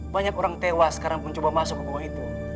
banyak orang tewas karena mencoba masuk ke gua itu